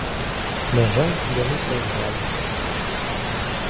На жаль, яны прайгралі.